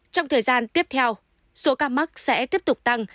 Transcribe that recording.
trong thời gian tiếp theo số ca mắc sẽ tiếp tục tăng